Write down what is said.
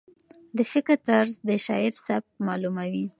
د فکر طرز د شاعر سبک معلوموي.